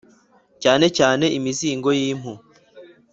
cyane cyane imizingo y impu